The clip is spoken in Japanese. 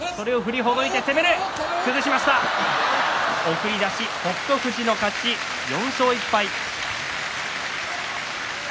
送り出し北勝富士の勝ちです。